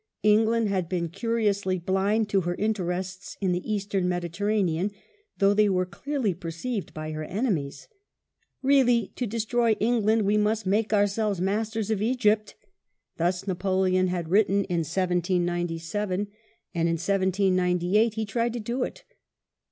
England had been curiously blind to her interests in the Eastern Medi terranean, though they were clearly perceived by her enemies. " Really to destroy England, we must make ourselves masters of Egypt." Thus Napoleon had written in 1797 ; in 1798 he tried to do it.